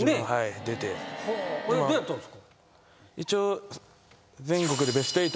どうやったんですか？